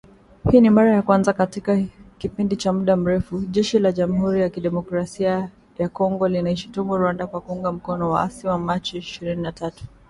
Hii ni mara ya kwanza katika kipindi cha muda mrefu, Jeshi la Jamuhuri ya kidemokrasia ya kongo linaishutumu Rwanda kwa kuunga mkono waasi wa machi ishirini na tatu